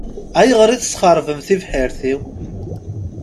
Ayɣer i tesxeṛbem tibḥirt-iw?